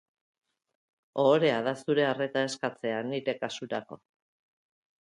Ohorea da zure arreta eskatzea nire kasurako.